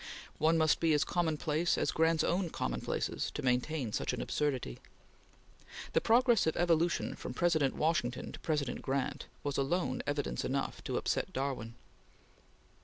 One must be as commonplace as Grant's own commonplaces to maintain such an absurdity. The progress of evolution from President Washington to President Grant, was alone evidence enough to upset Darwin.